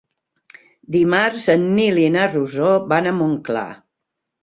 Dimarts en Nil i na Rosó van a Montclar.